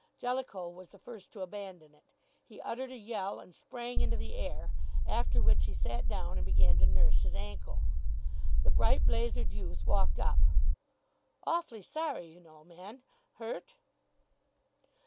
Jellicoe was the first to abandon it. He uttered a yell and sprang into the air. After which he sat down and began to nurse his ankle. The bright blazered youth walked up. "Awfully sorry, you know, man. Hurt?"